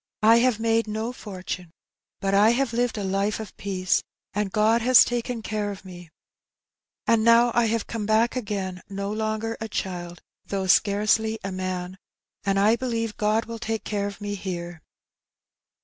" I have made no fortune, but I have lived a life of peace, and God has taken care of me, and now I have come back again no longer a child, though scarcely a man, and I believe God will take care of me here.'